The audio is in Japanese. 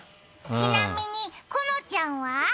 ちなみに、このちゃんは？